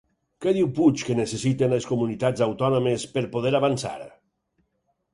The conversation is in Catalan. Què diu Puig que necessiten les comunitats autònomes per poder avançar?